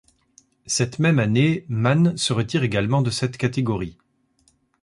Cette même année Man se retire également de cette catégorie.